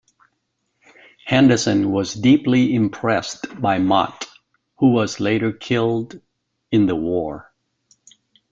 Henderson was deeply impressed by Mott, who was later killed in the war.